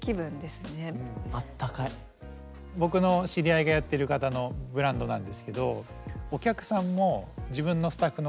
僕の知り合いがやってる方のブランドなんですけどほう。